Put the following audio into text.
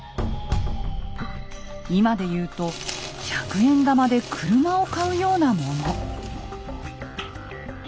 今で言うと１００円玉で車を買うようなもの。